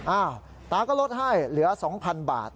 อ้าวตาก็ลดให้เหลือ๒๐๐๐บาท